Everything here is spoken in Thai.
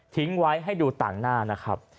ทิ้งไว้ให้ดูต่างหน้านะครับ